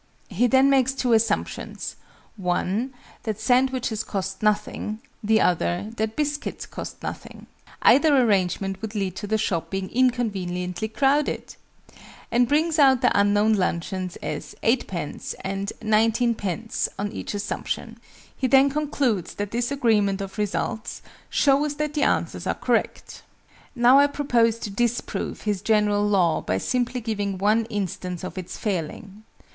He then makes two assumptions one, that sandwiches cost nothing; the other, that biscuits cost nothing, (either arrangement would lead to the shop being inconveniently crowded!) and brings out the unknown luncheons as 8_d._ and 19_d._, on each assumption. He then concludes that this agreement of results "shows that the answers are correct." Now I propose to disprove his general law by simply giving one instance of its failing.